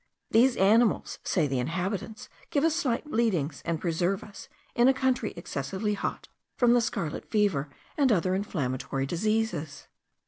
These animals, say the inhabitants, give us slight bleedings, and preserve us, in a country excessively hot, from the scarlet fever, and other inflammatory diseases.